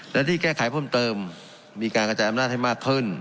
และที่แก้ไขเพิ่มเติมมีการกระจายอำนาจให้มากขึ้น